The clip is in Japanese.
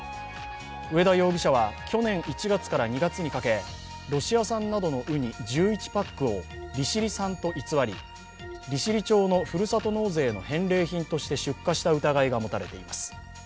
上田容疑者は去年１月から２月にかけ、ロシア産などのうに１１パックを利尻産と偽り、利尻町のふるさと納税の返礼品として出荷した疑いが持たれています。